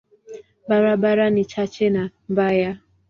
Barabara ni chache na mbaya.